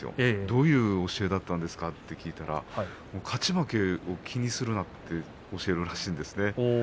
どういう教えだったんですかと聞いたら勝ち負けを気にするなって教えるらしいんですね。